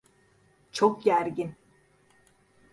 Çok gergin.